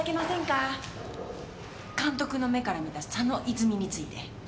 監督の目から見た佐野泉について。